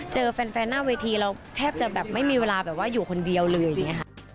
เจอแฟนหน้าเวทีเราแทบจะแบบไม่มีเวลาแบบว่าอยู่คนเดียวเลยอย่างนี้ค่ะ